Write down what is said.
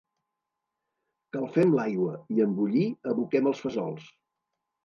Calfem l’aigua i, en bollir, aboquem els fesols.